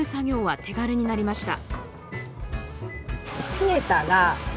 人が手がける作業は手軽になりました。